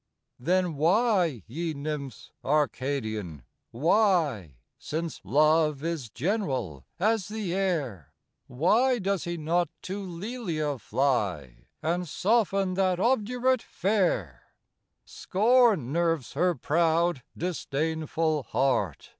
THE DREAM OF LOVE. 71 Then why, ye nymphs Arcadian, why Since Love is general as the air Why does he not to Lelia fly, And soften that obdurate fair? Scorn nerves her proud, disdainful heart